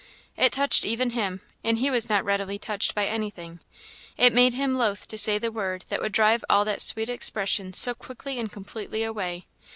It touched even him, and he was not readily touched by any thing; it made him loth to say the word that would drive all that sweet expression so quickly and completely away.